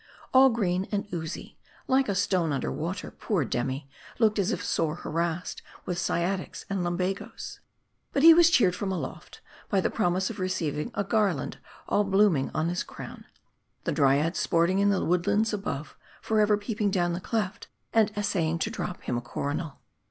All green and oozy like a stone under water, poor Demi looked as if sore harassed with sciatics and lum But he was cheered from aloft, by the promise of receiv ing a garland all blooming on his crown ; the Dryads sport ing in the woodlands above, forever peeping down the cleft, and essaying to drop him a coronal.